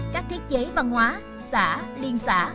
các thiết chế văn hóa xã liên xã